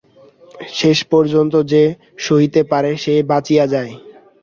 শেষ পর্যন্ত যে সহিতে পারে সেই বাঁচিয়া যায়।